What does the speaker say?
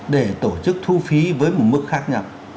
để tổ chức thu phí với một mức khác nhau